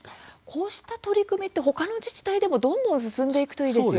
こうした取り組みってほかの自治体でもどんどん進んでいくといいですよね。